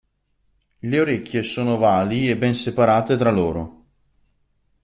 Le orecchie sono ovali e ben separate tra loro.